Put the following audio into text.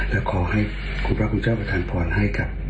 และขอให้ขอลักษมิตรคุณเจ้าประธานพรให้กับ